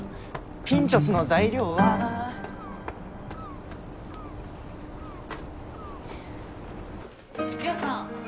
ピンチョスの材料はリョウさん